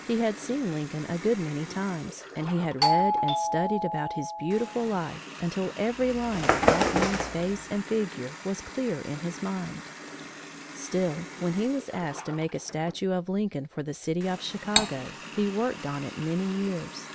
He had seen Lincoln a good many times, and he had read and studied about his beautiful life until every line of that man's face and figure was clear in his mind. Still, when he was asked to make a statue of Lincoln for the city of Chicago, he worked on it many years.